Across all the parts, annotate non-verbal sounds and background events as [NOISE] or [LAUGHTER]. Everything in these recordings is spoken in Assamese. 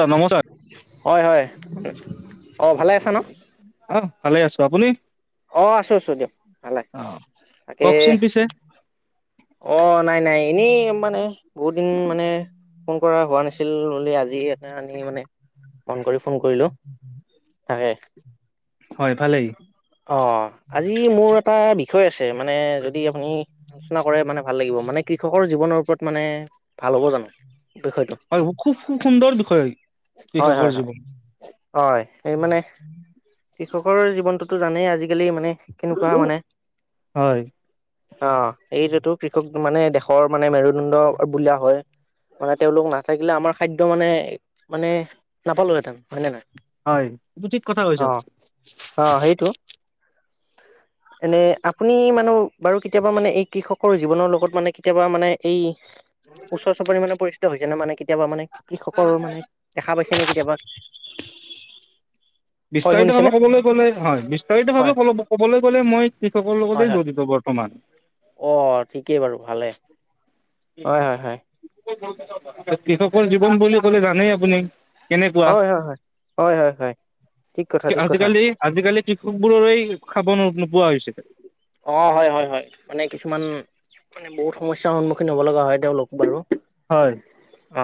অ নমস্কাৰ হয় হয়, অঁ ভালে আছা ন? অ ভালে আছোঁ। আপুনি? অ' আছোঁ আছোঁ দিয়ক ভালে, তাকে, কওকচোন পিছে অ' নাই নাই এনেই মানে বহুত দিন মানে, ফোন কৰা হোৱা নাছিল বুলি আজি এনি মানে মন কৰি ফোন কৰিলোঁ। হয়। হয় ভালেই অ' আজি মোৰ এটা বিষয় আছিল মানে, যদি আপুনি আলোচনা কৰে, মানে ভাল লাগিব। মানে কৃষকৰ জীৱনৰ য'ত মানে ভাল হ'ব জানোঁ, বিষয়টো? হয় খুব খুব সুন্দৰ বিষয় হয় কৃষকৰ হয় হয় জীৱন হয়! মানে কৃষক কৰ জীৱনটোতো জানেই আজিকালি মানে কেনেকুৱা মানে, হয় অ' এইটোয়েতো। কৃষক মানে দেশৰ মানে মেৰুদণ্ড বোলা হয়। মানে তেওঁলোক না। থাকিলে আমাৰ খাদ্য মানে। মানে নাপালোহেতেন। হয় নে নহয়। হয় একো ঠিক কথা কৈছ। অঁ সেইটো এনে আপুনি মানে বাৰু কেতিয়াবা মানে এই কৃষকৰ জীৱনৰ লগত মানে কেতিয়াবা মানে এই। ওচৰ চুপুৰ মানে পৰিচিত হৈছে ন মানে কেতিয়াবা মানে কৃষকৰ মানে দেখা পাইছে নে কেতিয়াবা হয় বিস্তাৰিত ভাৱে শুনিছেনে। ক'বলৈ হয় বিস্তাৰিত হয়। ভাৱে ক ক'বলৈ গ'লে মই কৃষকৰ হয় লগতে হয়, জড়িত বৰ্তমান। অ ঠিকেই বাৰু ভালে। হয়, হয়, হয়। কৃষকৰ জীৱন বুলি ক'লে জানেই আপুনি। কেনেকুৱা হয় হয় হয়, হয় হয় হয়, ঠিক কথা ঠিক কথা। আজিকালি আজিকালি কৃষক বোৰৰেই খাব নোৱাৰো। উ হৈছে। অ হয়, হয়, হয় মানে কিছুমান মানে বহুত সমস্যাৰ সন্মুখীন হ'ব লগা হয় তেওঁলোক বাৰু। হয় অ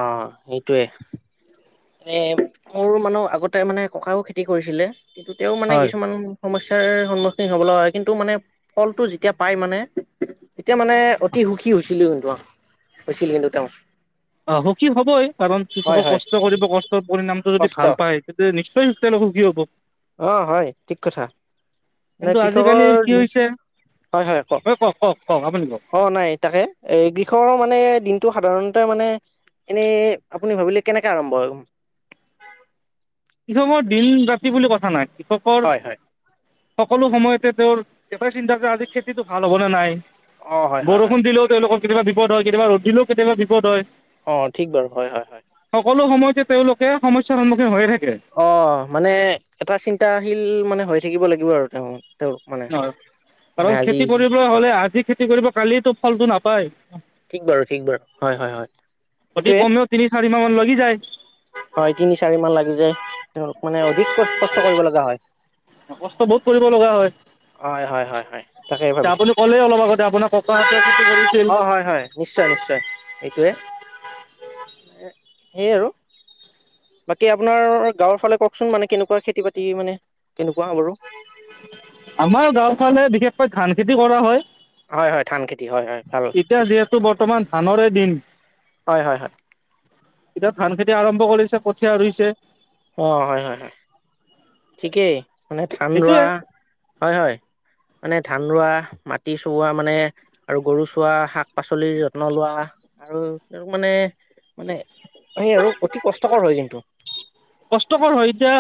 সেইটো। এ মোৰ মানহ আগতে মানে ককও খেতি কৰিছিলে। কিন্তু তেওঁ মানে হয় কিছুমান। সমস্যয়াৰ সন্মুখীন হ'ব লগা হয় কিন্তু মানে। ফলটো যেতিয়া পাই মানে। এতিয়া মানে অতি সুখী হৈছিলো। বছিল ল কিটো তেওঁ। অ সুখী হবই কাৰণ হয় কৃষকে হয় কষ্ট কৰিব কষ্টৰ পৰিণামটো যদি কষ্ট ভাল পায় তেতিয়া নিশ্চয়। তে ন কি হব। অ হয় ঠিক কথা। মানে কিন্তু কৃষকৰ আজিকালি কি দিন হৈছে হয় হয় ক কওক কওক কওক আপুনি কওক অ নাই তাকে এ কৃষকৰ মানে দিনটো সাধাৰণ। মানে এনে আপুনি ভাবিলে কেনেকে আৰম্ভ হয়। কি মৰ দিন ৰাতি বুলি কথা নাই। কৃষকৰ। হয় হয় সকলো সময়তে তেওঁৰ একটাই চিন্তা কৰে আজি খেতিতটো ভাল হ'ব নে নাই। অ হয় হয় হয় বৰষুণ দিলেও তেওঁলোকৰ। কেতিয়াবা বিপদ হয় কেতিয়াবা ৰদিলও কেতিাব বিপদ হয়। অ ঠিক বাৰু হয় হয় হয় সকলো সময়তে তেওঁলোকে। সম্যাৰ সন্মুখীন হৈ থাকে। অ মানে এটা চিন্তা আহিল। মানে হৈ থাকিব লাগিব আৰু তেওঁ। তেওঁৰ মানে ন মানে কাৰণ আজি খেতি কৰিবলৈ হ'লে আজি খেতি। খেতি কৰিব কালি ফলটো নাপায়। ঠিক বাৰু ঠিক বাৰু হয়- হয় -হয় সেইটোৱে। কেইমা মান লাগি যায় হয় তিনি চাৰি মান লাগি যায় তেওঁলোক মানে অধিক কষ্ট কৰিব লগা হয় কষ্ট বহুত কৰিব লগা হয় অ হয় হয় হয় তাকেই এতিয়া ভাবিছো আপুনি ক'লেই অলপ আগতে আপোনাৰ ককাহঁতে খেতি কৰিছিল অ হয় হয় নিশ্চয় নিশ্চয় এইটোৱে [UNINTELLIGIBLE] সেয়ে আৰু বাকী আপোনাৰ গাঁৱৰ ফালে কওকচোন মানে কেনেকুৱা খেতি বাতি মানে কেনেকুৱা বাৰু। আমাৰ গাওঁ ফালে বিশেষকৈ ধান খেতি কৰা হয়। হয় হয় ধান খেতি হয় হয়। ভাল এতিয়া ঠিক যিহেতু বৰ্তমান ধানৰে দিন। হয় হয় হয় এতিয়া ধান খেতি। এতিয়া আৰম্ভ কৰিছে কঠিয়া ৰুইছে। অ হয় হয় হয়। ঠিকেই মানে ধান ৰোৱা। সেইটোয়ে হয় হয়। মানে ধান ৰোৱা মাটি চোৱা মানে আৰু গৰু চোৱা শাক পাচলিৰ যত্ন লোৱা আৰু মানে মানে সেই আৰু অতি কষ্টকৰ হয় কিন্তু। কষ্টকৰ হয় এতিয়া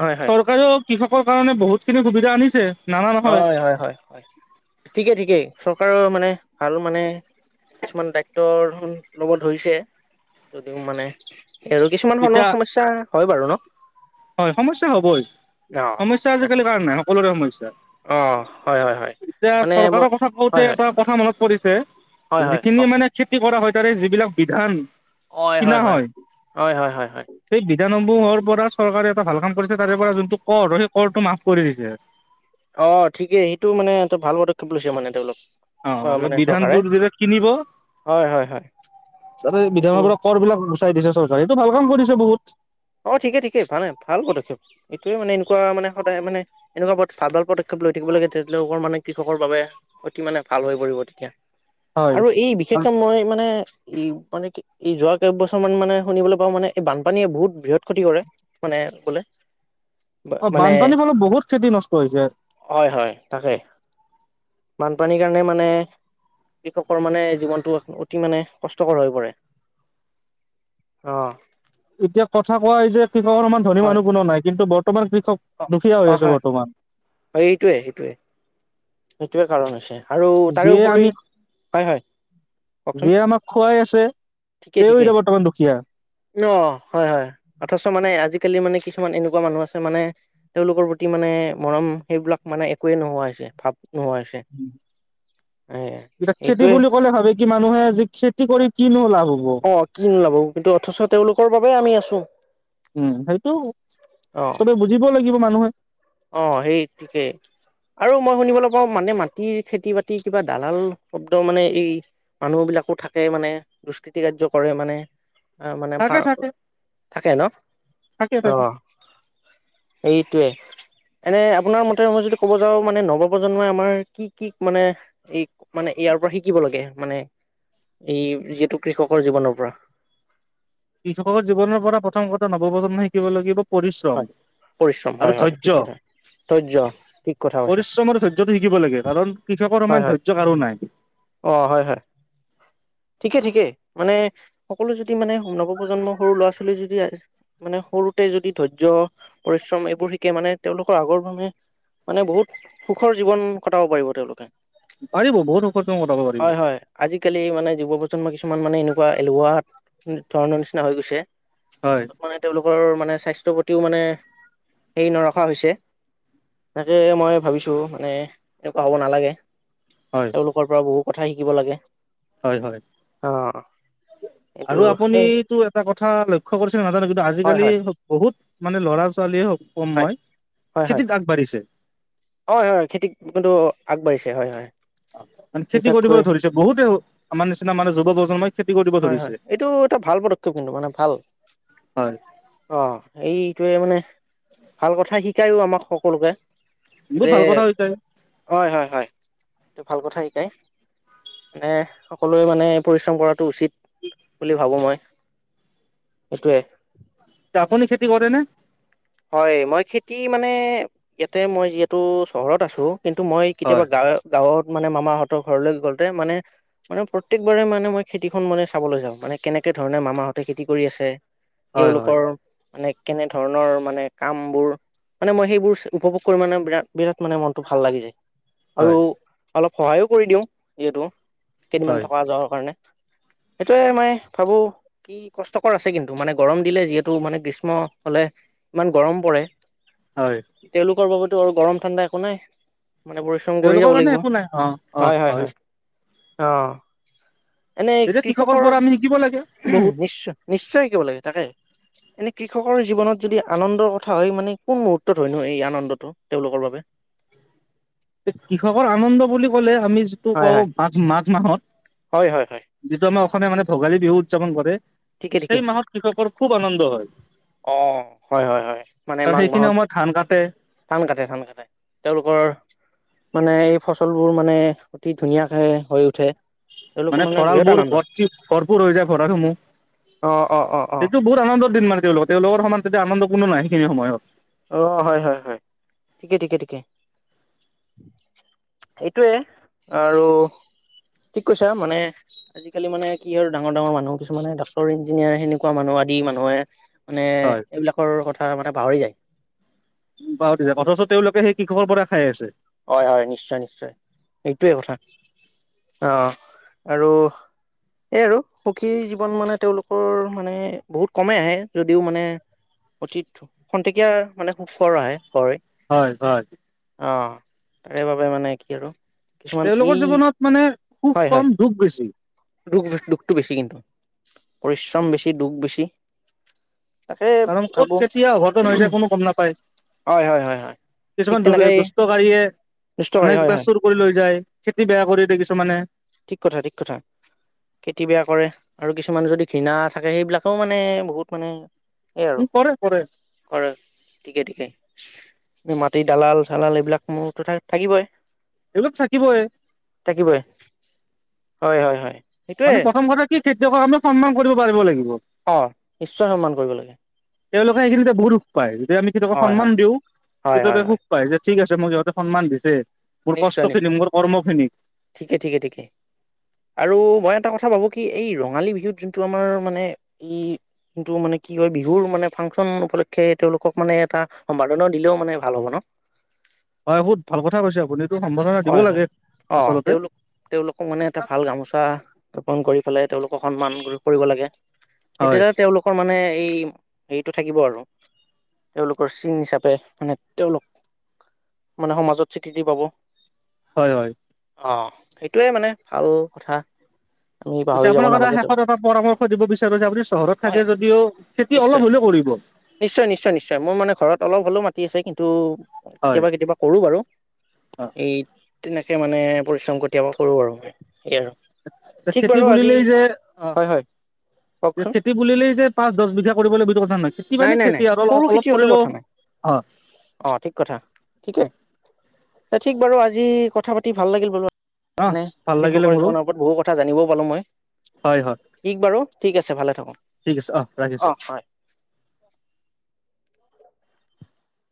হয় হয় চৰকাৰেও কৃষকৰ কাৰণে বহুত খিনি সুবিধা ধা আনিছে। নানা নহয় হয়, হয় হয়- হয় ঠিকেই ঠিকেই। চৰকাৰেও মানে ভাল মানে কিছুমান দায়িত্ব ল'ব ধৰিছে যদিও মানে। আৰু কিছুমান ধৰণৰ এতিয়া সমস্যা। হয় বাৰু ন। হয় সমস্যা হবই অ সমস্যা তাক আজিকালি কাৰ নাই। সকলোৰে সমস্যা। অ হয় হয় হয় এতিয়া মানে মই চৰকাৰৰ কথা কওঁতে হয় হয় এটা কথা মনত পৰিছে হয় হয় যিখিনি কওকচোন মানে খেতি কৰা হয়। চৰকাৰে যিবিলাক বিধান কিনা হয় হয় হয় হয় হয় সেই বিধানসমূহৰ পৰা। টা ভাল কাম কৰিছে তাৰে পৰা যোনটো কৰ সেই কৰটো মাফ কৰি দিছে অ ঠিকেই সেইটো মানে ত ভাল পদক্ষেপ লৈছে মানে তেওঁলোক। অ এই মানে চৰকাৰে বিধানটোৰ যেয়া কিনিব হয় হয় হয় তাতে সেইটো বিধানৰ পৰা কৰ বিলাক গুচাই দিছ চব। সেইটো ভাল কাম কৰিছে বহুত। অ ঠিকে ঠিকেই ভালে ভাল পদক্ষেপ এইটোৱে মানে এনেকুৱা মানে সদায় মানে এনেকুৱা ভাল ভাল পদক্ষেপ লৈ থাকিব লাগে তেওঁলোকৰ মানে কৃষকৰ বাবে অতি মানে ভাল হৈ পৰিব তেতিয়া আৰু এই হয় বিশেষকে মই মানে ই মানে কি এই যোৱা কেইবছৰ মান মানে শুনিবলৈ পাওঁ মানে এই বানপানীয়ে বহুত বৃহৎ ক্ষতি কৰে মানে ক'লে অ বানপানীৰ ফলত বহুত খেতি নষ্ট হৈছে। হয় হয় তাকে বানপানীৰ কাৰণে মানে কৃষকৰ মানে জীৱনটো অ অতি মানে কষ্টকৰ হৈ পৰে অ। এতিয়া কথা কোৱা যে কৃষকৰ সমান ধনী হয় মানুহ কোনো নাই কিন্তু ব তোমাৰ ভিত খক অ দুখীয়া অ হৈ আছে হয় বৰ্তমান হয় এইটোৱে সেইটোৱে সেইটোৱে কাৰণ হৈছে। আৰু যিয়ে তাৰেওপৰি আমি হয় হয়, কওকচোন। যিয়ে আমাক খুৱাই আছে ঠিকেই তেওঁ ঠিকেই এতিয়া বৰ্তমান দুখীয়া। অ হয় হয় অথচ মানে আজি কালি মানে কিছুমান এনেকুৱা মানু্হ আছে মানে তেওঁলোকৰ প্ৰতি মানে মৰম সেইবিলাক মানে একোৱে নোহোৱা হৈছে ভাব নোহোৱা হৈছে এতিয়া এ খেতি এইটোৱে বুলি ক'লে ভাবে কি মানুহে জীপ চিপ খেতি কৰি কিনো লাভ? হ'ব। অ কি নোলাব কিন্তু অথচ তেওঁলোকৰ বাবে আমি আছো। উম সেইটো অ চবে বুজিব লাগিব। মানুহে অ সেই ঠিকেই আৰু মই শুনিবলৈ পাওঁ মানে মাটিৰ খেতি বাতিৰ কিবা দালাল শব্দ মানে এই মানুহ বিলাকো থাকে মানে দুষ্কৃতি কাৰ্য কৰে মানে মানে থাকে ফাৰ থাকে থাকে ন থাকে অ থাকে। এইটোৱে এনে আপোনাৰ মতে মই যদি ক'ব যাওঁ মানে নৱপ্ৰজন্মই আমাৰ কি কি মানে এই মানে ইয়াৰ পৰা শিকিব লগীয়া মানে এই যিহেতু কৃষকৰ জীৱনৰ পৰা কৃষকৰ জীৱনৰ পৰা প্ৰথম কথা নৱপ্ৰজন্মই শিকিব লাগিব পৰিশ্ৰম হয় পৰিশ্ৰম আৰু হয় হয় ঠিক ধৈৰ্য। কথা ধৈৰ্য ঠিক কথা কৈছে পৰিশ্ৰম আৰু ধৈৰ্যটো শিকিব লাগে কাৰণ কৃষকৰ হয় সমান হয় ধৈৰ্য কাৰো নাই। অ হয় হয় ঠিকে ঠিকে মানে সকলো যদি মানে নৱপ্ৰজন্ম সৰু ল'ৰা ছোৱালী যদি মানে সৰুতে যদি ধৈৰ্য্য পৰিশ্ৰম এইবোৰ শিকে মানে তেওঁলোকৰ আগৰ সময়ত মানে বহুত সুখৰ জীৱন কটাব পাৰিব তেওঁলোকে পাৰিব বহুত সুখত কাম কটাব পাৰিব। হয় হয় আজিকালি মানে যুৱ প্ৰজন্ম কিছুমান মানে এনেকুৱা এলেহুৱা ধৰণৰ নিচিনা হৈ গৈছে হয় তাত মানে তেওঁলোক লোকৰ মানে স্বাস্থ্যৰ প্ৰতিও মানে হেৰি নৰখা হৈছে তাকে মই ভাবিছোঁ মানে এনেকুৱা হ'ব নালাগে। হয় এওলোকৰ পৰা বহুত কথা শিকিব লাগে। হয় হয়, অ এইটো আৰু সেই আপুনিটো এটা কথা লক্ষ্য কৰিছে নে‌ নাজানো কিন্তু হয় আজিকালি হয় বহুত মানে ল'ৰা ছোৱালীয়ে হওক কম হয় মই, হয় হয় খেতিত আগবাঢ়িছে। ছে। হয় হয়, খেতিত কিন্তু আগবাঢ়িছে। হয়, হয়। অ মানে খেতি কৰিবলৈ বিশেষকৈ ধৰিছে। বহুতে, আমাৰ নিচিনা মানে যুৱ প্ৰজন্মই খেত হয়, হয়। এইটো এটা ভাল পদক্ষেপ কিন্তু। মানে ভাল হয় অ এইটোৱে মানে ভাল কথা শিকায়ও আমাক সকলোকে। বহুত যে, ভাল কথা হৈছে হয় হয়, হয়। এইটো ভাল কথা শিকায়। মানে সকলোৱে মানে পৰিশ্ৰম কৰাটো উচিত। বুলি ভাবো মই। সেটোৱে। আপুনি খেতি কৰে নে? হয়, মই খেতি মানে মানে, ইয়াতে মই যিহেতু চহৰত আছো কিন্তু মই কেতিয়াবা হয় গাঁৱ গাঁৱত মানে মামাহঁতৰ ঘৰলৈ গলে, মানে মানে প্ৰত্যকবাৰে মানে মই খেতি খন মানে চাবলৈ যাওঁ, মানে কেনেকে ধৰণে মামাহঁতে খেতি কৰি আছে। হয় হয় তেওঁলোকৰ মানে কেনে ধৰণৰ মানে কাম বোৰ মানে। মই সেইবোৰ উপভোগ কৰি মানে বিৰা বিৰাট মানে মনটো ভাল লাগি যায় আৰু হয় অলপ সহায়ো কৰি দিওঁ যিহেতু। কেইদিনমান হয় থকা যোৱা কাৰণে। সেইটোৱে মই ভাবো কি, কষ্টকৰ আছে কিন্তু মানে গৰম দিলে যিহেতু মানে গ্ৰীষ্ম হলে ইমান গৰম পৰে। হয়। টো আৰু গৰম ঠাণ্ডা একো নাই। মানে পৰিশ্ৰম কৰি তেওঁলোকৰ যাব কাৰণে লাগিব। একো নাই অ অ হয়, হয়, হয়। অ। এনে তেতিয়া কৃষকৰ, পৰা আমি শিকিব লাগে বহুত নিশ্চয় নিশ্চয় শিকিব লাগে তাকে। মানে কৃষকৰ জীৱনত যদি আনন্দৰ কথা হয় মানে কোন মুহূৰ্তত হয়নো এই আনন্দটো, তেওঁলোকৰ বাবে? কৃষকৰ আনন্দ বুলি কলে আমি যিটো হয় কওঁ হয়, মাক মাত মাহত হয়, হয়, হয়। নে মানে ভোগালী বিহু উদযাপন কৰে। ঠিকে ঠিকে। সেই মাহত কৃষকৰ খুব আনন্দ হয় আহ। হয় হয় হয়। মানে কাৰণ মাঘ সেইখিনি মাহত, সময়ত ধান কাটে ধান কাটে ধান কাটে। তেওঁলোকৰ মানে এই ফচলবোৰ মানে অতি ধুনীয়াকে হৈ উঠে। তেওঁলোকৰ মানে ভঁৰাল বিৰাট বোৰ আনন্দ। ভৰ্তি, ভৰপূৰ হৈ যায় ভঁৰালসমূহ। অ অ, অ অ। সেইটো বহুত আনন্দৰ দিন মানে তেওঁলোকৰ। তেওঁলোকৰ সমান তেতিয়া আনন্দ কোনো নাই সেইখিনি সময়ত। অ, হয় হয় হয়। ঠিকে ঠিকে ঠিকে। এইটোয়ে, আৰু ঠিক কৈছা মানে, আজিকালি মানে কি আৰু ডাঙৰ ডাঙৰ মানুহ কিছুমানে ডাক্টৰ, ইঞ্জিনিয়াৰ সেনেকুৱা মানুহ আদি মানুহে, মানে, হয় এইবিলাকৰ কথা থা মানে পাহৰি যায়। [UNINTELLIGIBLE] অথচ তেওঁলোকে সেই কৃষকৰ পৰা খাই আছে। হয় হয়, নিশ্চয় নিশ্চয়। এইটোৱে কথা। অ, আৰু এই আৰু সুখী জীৱন মানে তেওঁলোকৰ মানে বহুত কমেই আহে। যদিও মানে অতীত খন্তেকীয়া মানে সুখৰ আহে। হয়। হয় হয়। অঁ। তাৰে বাবে মানে। কি আৰু? কিছুমান এই তেওঁলোকৰ জীৱনত মানে, সুখ হয় হয় কম, দুখ বেছি। ছি। দুখ, দুখটো বেছি কিন্তু। পৰিশ্ৰম বছি, দুখ বেছি। তাকে কাৰণ ক'ত ভাবো কেতিয়া অঘটন হৈ যায় কোনো গম নাপায়। হয় হয় হয় হয় ঠিক কিছুমান দু তেনেকে এই দুষ্টকাৰিয়ে দুষ্টকাৰী অনেক হয় কিবা হয় চুৰ কৰি লৈ যায়। খেতি বেয়া কৰি দিয়ে কিছুমানে। ঠিক কথা, ঠিক কথা। খেতি বেয়া কৰে, আৰু কিছুমান যদি ঘৃণা থাকে সেইবিলাকেও মানে, বহুত মানে, ঠিকেই আৰু, উম কৰে কৰে ঘৰত, ঠিকেই ঠিকে। মাটি দালাল চালাল এইবিলাক মূৰ টকাই থাকিবই। এইবিলাক থাকিবই। থাকিবই হয় হয় হয়। সেইটোয়ে মানে প্ৰথম কথা কি, খেতিয়কক আমি সন্মান কৰিব পাৰিব লাগিব। অ নিশ্চয় সন্মান কৰিব লাগে তেওঁলোকে সেইখিনিতে বহুত সুখ পায়। যেতিয়া আমি খেতিয়ক হয় হয় সন্মান দিও, হয় হয় খেতিয়কে হয় সুখ পায়। যে ঠিক আছে যে মোক সিহঁতে সন্মান দিছে। মোৰ নিশ্চয় কষ্টখিনিক নিশ্চয়। মোৰ কৰ্মখিনিক ঠিকে ঠিকে ঠিকে, আৰু মই এটা কথা কথা ভাবো কি এই ৰঙালী বিহুত যোনটো আমাৰ মানে, এই যোনটো মানে কি হয়, বিহুৰ মানে ফাংচন উপলক্ষে তেওঁলোকক মানে এটা সম্বোধনা দিলেও মানে ভাল হ'ব ন? হয় বহুত ভাল কথা কৈছে আপুনি। এইটো সম্বৰ্ধনা দিব হয় হয়। লাগে। অ' আচলতে তেওঁলোক, তেওঁলোককো মানে এটা ভাল গামোচা ৰোপন কৰি পেলাই তেওঁলোকক সন্মান কৰিব লাগে। হয় তেতিয়াহ তেওঁলোকৰ মানে, এই হেৰিটো থাকিব আৰু, তেওঁলোকৰ চিন হিচাপে মানে তেওঁলোক, মানে সমাজত স্বীকৃতি পাব। হয় হয়। অহ, সেইটোৱে মানে, আৰু কথা আমি পাহৰি যাব আপোনাক এটা নালাগেতো শেষত এটা পৰামৰ্শ দিব বিচাৰো যে, আপুনি চহৰত হয় থাকে যদিও খেতি নিশ্চয় অলপ হলেও কৰিব। নিশ্চয় নিশ্চয় নিশ্চয় মোৰ মানে ঘৰত অলপ হ'লেও মাতি আছে কিন্তু, হয় কেতিয়াবা- কেতিয়াবা কৰো বাৰু। অ এইট, তেনেকে মানে পৰিশ্ৰম কতিয়াবা কৰোঁ আৰু মই সেই আৰু। ঠিক খেতি বাৰু আজি বুলিলেই যে অ হয় হয় কওকচোন 'খেতি বুলিলেই যে পাঁচ দচ বিঘা কৰিব লাগিব সেইটো কথা নহয় খেতি নাই মানে নাই খেতি নাই আৰু সৰু অলপ খেতি হলেও কৰিলেও, কথা নাই অহ, অ ঠিক কথা ঠিকে ঠিক বাৰু আজি কথা পাতি ভাল লাগিল বুলো। অ মানে ভাল লাগিলে কৃষকৰ মোৰো জীৱনৰ ওপৰত বহু কথা জানিবও পালোঁ মই হয় হয় ঠিক বাৰু ঠিক আছে ভালে থাকোঁ। ঠিক আছে অ ৰাখিছো। অ ' হয়।